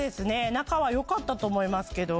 仲はよかったと思いますけど。